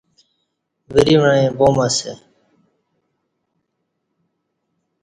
وری وعیں وام اسہ